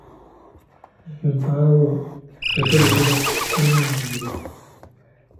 Empaawo ekozesebwa kunywa mwenge.